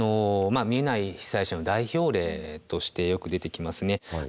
見えない被災者の代表例としてよく出てきますね。